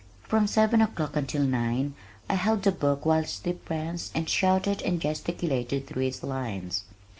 From seven o'clock until nine I held the book whilst he pranced and shouted and gesticulated through his lines.